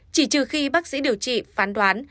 chỉ trừ khi bác sĩ điều trị phán đoán